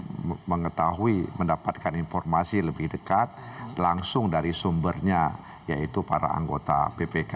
kita mengetahui mendapatkan informasi lebih dekat langsung dari sumbernya yaitu para anggota bpk